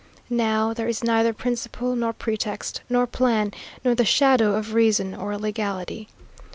Now there is neither principle, nor pretext, nor plan, nor the shadow of reason or legality.